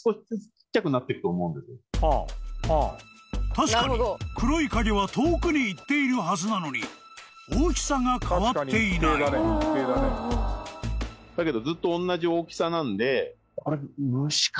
［確かに黒い影は遠くに行っているはずなのに大きさが変わっていない］だけど。